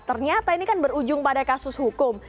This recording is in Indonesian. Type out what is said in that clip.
ternyata ini kan berujung pada kasus hukum